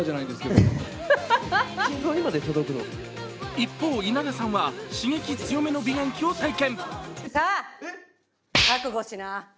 一方、稲田さんは刺激強めの美顔器を体験。